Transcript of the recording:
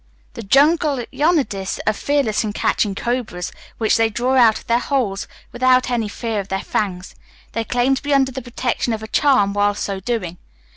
The jungle Yanadis are fearless in catching cobras, which they draw out of their holes without any fear of their fangs. They claim to be under the protection of a charm, while so doing.